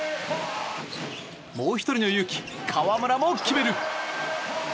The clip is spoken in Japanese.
もう１人のゆうき河村も決める！